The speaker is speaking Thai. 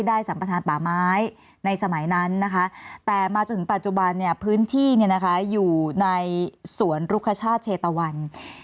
สัมประธานป่าไม้ในสมัยนั้นนะคะแต่มาจนถึงปัจจุบันเนี่ยพื้นที่อยู่ในสวนรุคชาติเชตะวัน